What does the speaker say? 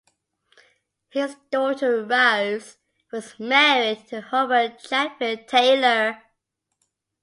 His daughter Rose was married to Hobart Chatfield-Taylor.